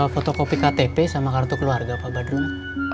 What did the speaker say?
fotokopi ktp sama kartu keluarga pak badulnya